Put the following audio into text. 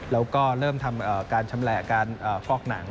แล้วก็เริ่มทำการชำแหละการฟอกหนัง